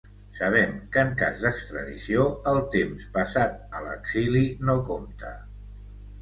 Sabem que en cas d’extradició, el temps passat a l’exili no compta.